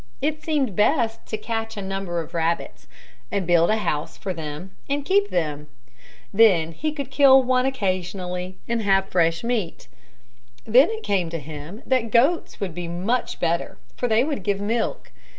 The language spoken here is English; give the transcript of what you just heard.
It seemed best to catch a number of rabbits, build a house for them and keep them. Then he could kill one occasionally and have fresh meat. Then it came to him that goats would be much better, for they would give milk.